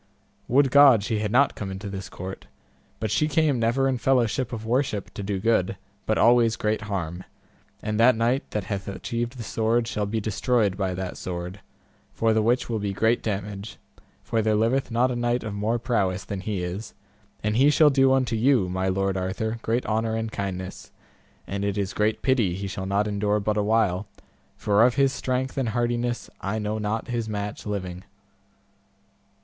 Would God she had not come into this court, but she came never in fellowship of worship to do good, but always great harm; and that knight that hath achieved the sword shall be destroyed by that sword, for the which will be great damage, for there liveth not a knight of more prowess than he is, and he shall do unto you, my Lord Arthur, great honour and kindness; and it is great pity he shall not endure but a while, for of his strength and hardiness I know not his match living.